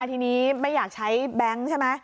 ทีนี้ไม่อยากใช้แบงค์ใช่ไหม